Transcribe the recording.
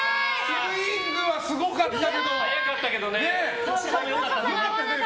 スイングはすごかったけど。